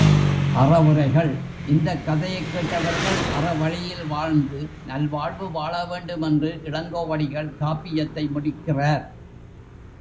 அறவுரைகள் இந்தக் கதையைக் கேட்டவர்கள் அறவழியில் வாழ்ந்து நல்வாழ்வு வாழ வேண்டும் என்று இளங் கோவடிகள் காப்பியத்தை முடிக்கிறார்.